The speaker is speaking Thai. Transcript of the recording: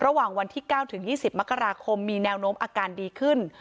ระหว่างวันที่๙ถึง๒๐มกราคมมีแนวโน้มอาการดีขึ้น